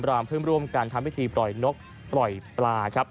พร้อมพึ่งร่วมการทำวิธีปล่อยนกปล่อยปลาครับ